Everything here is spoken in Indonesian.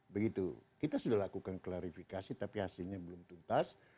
begitu kita sudah lakukan klarifikasi tapi hasilnya belum tuntas